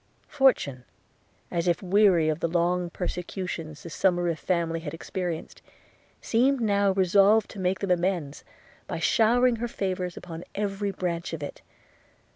Fortune, as if weary of the long persecutions the Somerive family had experienced, seemed now resolved to make them amends by showering her favours upon every branch of it.